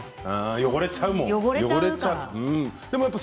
汚れちゃうから。